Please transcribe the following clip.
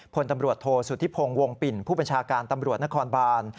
พลตำรวจโทษสุธิพงศ์วงปิ่นผู้บัญชาการตำรวจนครบาน